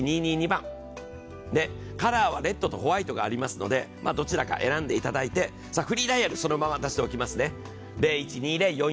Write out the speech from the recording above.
カラーはレッドとホワイトがありますのでどちらか選んでいただいて、フリーダイヤルそのまま出しておきますね。